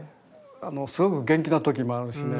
すごく元気な時もあるしね